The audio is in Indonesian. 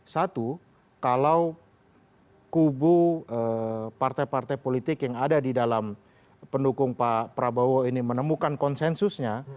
satu kalau kubu partai partai politik yang ada di dalam pendukung pak prabowo ini menemukan konsensusnya